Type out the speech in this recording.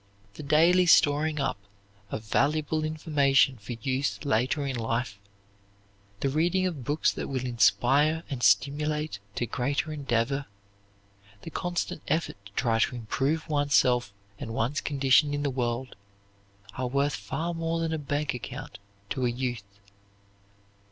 The daily storing up of valuable information for use later in life, the reading of books that will inspire and stimulate to greater endeavor, the constant effort to try to improve oneself and one's condition in the world, are worth far more than a bank account to a youth.